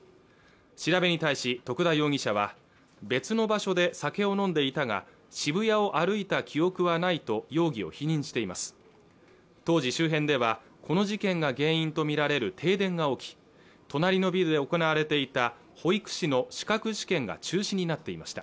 調べに対し徳田容疑者は別の場所で酒を飲んでいたが渋谷を歩いた記憶はないと容疑を否認しています当時周辺ではこの事件が原因とみられる停電が起き隣のビルで行われていた保育士の資格試験が中止になっていました